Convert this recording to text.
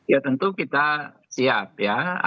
ya tentu kita siap ya